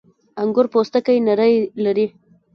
• انګور پوستکی نری لري.